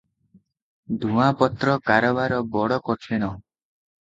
ଧୂଆଁପତ୍ର କାରବାର ବଡ କଠିଣ ।